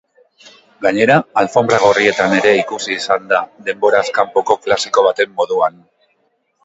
Gainera, alfonbra gorrietan ere ikusi izan da denborazkanpoko klasiko baten moduan.